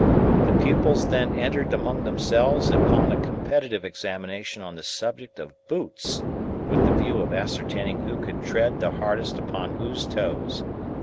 The pupils then entered among themselves upon a competitive examination on the subject of Boots, with the view of ascertaining who could tread the hardest upon whose toes.